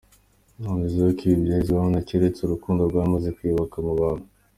Yongeyeho ko ibi byahozeho na kera uretse urukundo rwamaze kuyoyoka mu bantu.